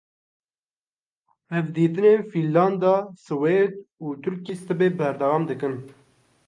Hevdîtinên Fînlanda, Swêd û Tirkiyeyê sibê berdewam dikin.